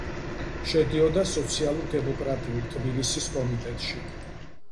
შედიოდა სოციალურ-დემოკრატიულ თბილისის კომიტეტში.